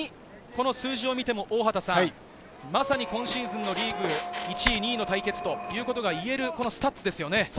この数字を見ても、今シーズンのリーグ１位、２位の対決ということが言えるスタッツですよね。